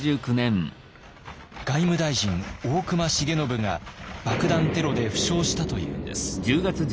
外務大臣大隈重信が爆弾テロで負傷したというんです。